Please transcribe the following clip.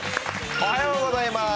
おはようございます。